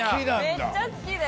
めっちゃ好きで。